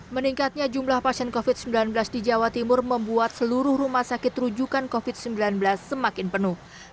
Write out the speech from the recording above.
meningkatnya jumlah pasien covid sembilan belas di jawa timur membuat seluruh rumah sakit rujukan covid sembilan belas semakin penuh